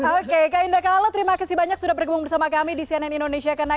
oke kak indah kalau lo terima kasih banyak sudah bergumul sama kami di cnn indonesia